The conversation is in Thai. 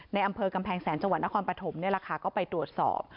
ในอำเภอกำแพงแสนจังหวัดนครปฐมนี่แหละค่ะก็ไปตรวจสอบ